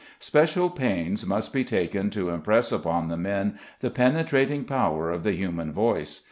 Special pains must be taken to impress upon the men the penetrating power of the human voice.